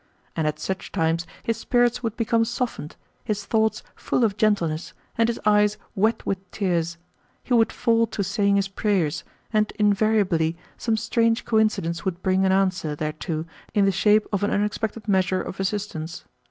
And at such times his spirit would become softened, his thoughts full of gentleness, and his eyes wet with tears; he would fall to saying his prayers, and invariably some strange coincidence would bring an answer thereto in the shape of an unexpected measure of assistance.